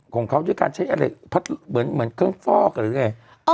ของเขาด้วยการใช้อะไรเหมือนเครื่องฟอกหรือไง